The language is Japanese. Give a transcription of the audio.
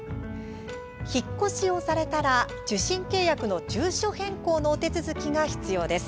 引っ越しをされたら受信契約の住所変更のお手続きが必要です。